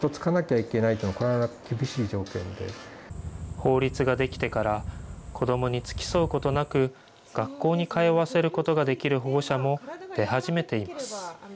法律ができてから子どもに付き添うことなく、学校に通わせることができる保護者も出始めています。